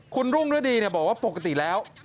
คุณรุ่งฤดีบอกว่าปกติแล้ว